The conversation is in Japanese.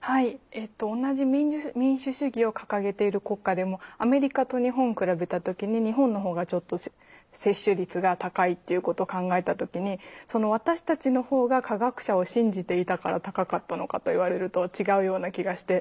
えっと同じ民主主義を掲げている国家でもアメリカと日本比べた時に日本の方がちょっと接種率が高いっていうこと考えた時にその私たちの方が科学者を信じていたから高かったのかと言われると違うような気がして。